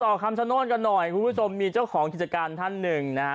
คำชโนธกันหน่อยคุณผู้ชมมีเจ้าของกิจการท่านหนึ่งนะฮะ